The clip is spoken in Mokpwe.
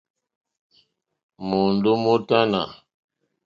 Môndó mótánà.